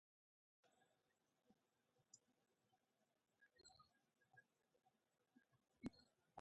په مناظرو کې خبرې تل نیمګړې پاتې کېږي.